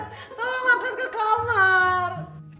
tolong masuk ke kamar